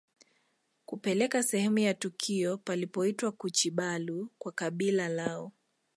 Kupeleka sehemu ya tukio palipoitwa kuchibalu kwa kabila lao